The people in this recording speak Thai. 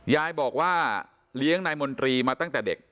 ยายบอกว่าเลี้ยงนายมนตรีมาตั้งแต่เด็ก